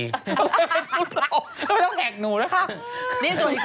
ไม่ต้องแห่งหนูนะคะ